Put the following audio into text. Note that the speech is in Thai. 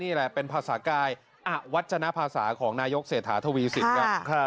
นี่แหละเป็นภาษากายอวัชนภาษาของนายกเศรษฐาทวีสินครับ